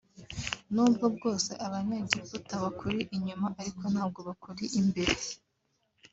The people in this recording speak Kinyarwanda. nubwo bwose abanyegiputa bakuri inyuma ariko ntabwo bakuri imbere